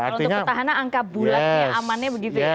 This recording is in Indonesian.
untuk petahana angka bulatnya amannya begitu